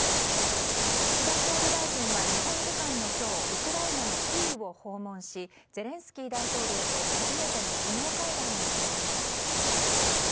岸田総理大臣は日本時間の今日ウクライナのキーウを訪問しゼレンスキー大統領と初めての首脳会談に臨みます。